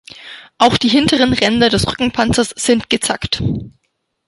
Auch die hinteren Ränder des Rückenpanzers sind gezackt.